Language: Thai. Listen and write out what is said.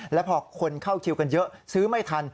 แล้วพอคนเข้าคิวกันเยอะซื้อไม่ทัน